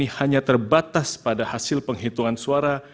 hanya terbatas pada hasil penghitungan suara